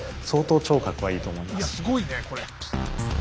相当聴覚はいいと思います。